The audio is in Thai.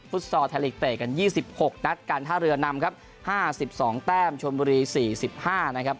ซอร์ไทยลีกเตะกัน๒๖นัดการท่าเรือนำครับ๕๒แต้มชนบุรี๔๕นะครับ